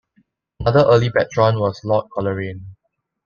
Another early patron was Lord Coleraine.